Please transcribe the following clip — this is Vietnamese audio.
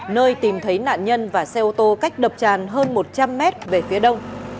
nơi tìm thấy nạn nhân và xe ô tô cách đập tràn hơn một trăm linh mét về phía đông